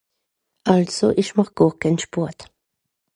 also esch màch gàr ken Sport